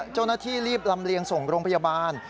เจ้านักศึกษารีบลำเลียงส่งโรงพยาบาล